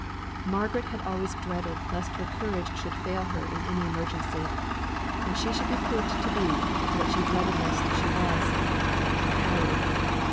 Margaret had always dreaded lest her courage should fail her in any emergency, and she should be proved to be, what she dreaded lest she was a coward.